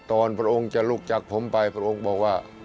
พระองค์จะลุกจากผมไปพระองค์บอกว่า